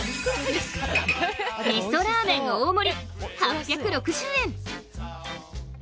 味噌ラーメン大盛り、８６０円。